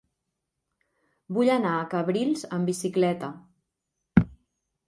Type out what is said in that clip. Vull anar a Cabrils amb bicicleta.